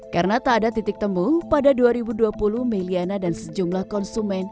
karena tak ada titik temu pada dua ribu dua puluh meliana dan sejumlah konsumen